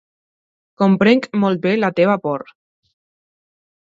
Comprenc molt bé la teva por.